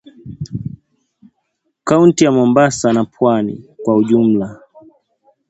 kaunti ya Mombasa na pwani kwa ujumla